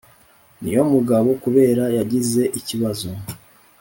Niyomugabo kubera yagize ikibazo